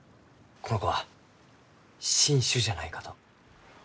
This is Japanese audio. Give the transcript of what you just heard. この子は新種じゃないかと。